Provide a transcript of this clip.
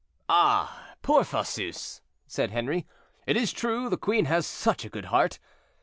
"Ah! poor Fosseuse!" said Henri: "it is true, the queen has such a good heart.